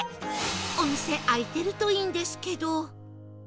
お店開いてるといいんですけど